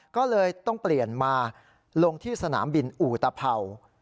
ก็เลยต้องเปลี่ยนมาลงที่สนามบินอุตเผ่า